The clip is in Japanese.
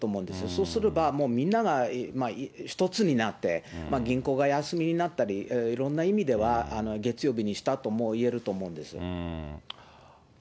そうすれば、みんなが一つになって、銀行が休みになったり、いろんな意味では、月曜日にしたともいえると思うんです。